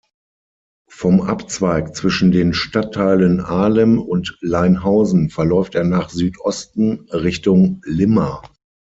Vom Abzweig zwischen den Stadtteilen Ahlem und Leinhausen verläuft er nach Südosten, Richtung Limmer.